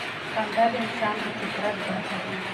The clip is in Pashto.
خندا د انسان د فطرت برخه ده.